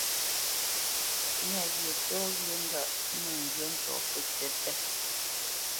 Myâ wyê tɔ́ wyê ŋgâʼ mə ŋgyə̂ ntɔ̌ pətsǐ pé.